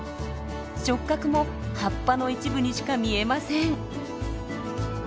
触角も葉っぱの一部にしか見えません。